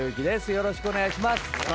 よろしくお願いします。